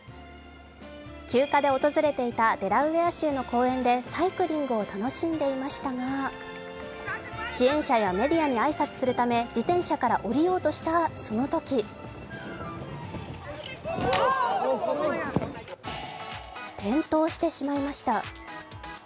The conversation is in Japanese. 休暇で訪れていたデラウェア州の公園でサイクリングを楽しんでいましたが支援者やメディアに挨拶するため自転車から降りようとしたそのとき転倒してしまいました。